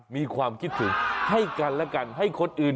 แต่เธอชอบเธอชอบดอกมะลิ